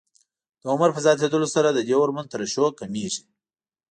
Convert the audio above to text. د عمر په زیاتېدلو سره د دې هورمون ترشح کمېږي.